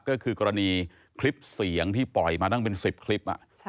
ก็คือกรณีคลิปเสียงที่ปล่อยมาตั้งเป็น๑๐คลิป